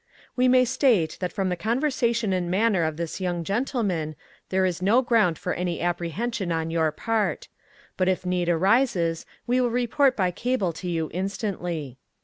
We may state that from the conversation and manner of this young gentleman there is no ground for any apprehension on your part. But if need arises we will report by cable to you instantly.